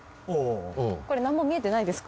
これ何も見えてないですか？